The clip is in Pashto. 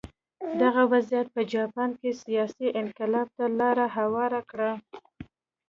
دغه وضعیت په جاپان کې سیاسي انقلاب ته لار هواره کړه.